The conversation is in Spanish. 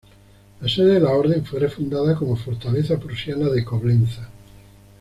La sede de la Orden fue refundada como Fortaleza Prusiana de Coblenza.